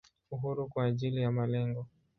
Uhuru kwa ajili ya malengo.